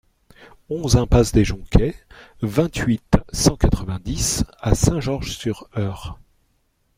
onze impasse des Joncquets, vingt-huit, cent quatre-vingt-dix à Saint-Georges-sur-Eure